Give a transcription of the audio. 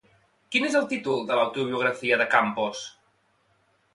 Quin és el títol de l'autobiografia de Campos?